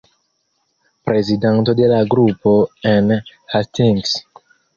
Prezidanto de la grupo en Hastings.